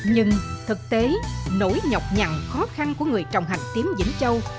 nhưng thực tế nỗi nhọc nhằn khó khăn của người trồng hành tím vĩnh châu